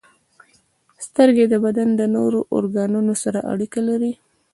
• سترګې د بدن د نورو ارګانونو سره اړیکه لري.